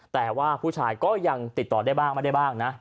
แต่ว่าผู้ชายก็ยังติดต่อได้บ้างไม่ได้บ้างนะ